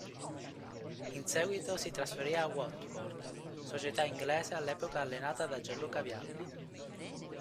In seguito si trasferì al Watford, società inglese all'epoca allenata da Gianluca Vialli.